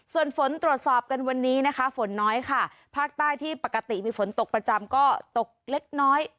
ส่วนฝนตรวจสอบกันวันนี้นะคะฝนน้อยค่ะภาคใต้ที่ปกติมีฝนตกประจำก็ตกเล็กน้อย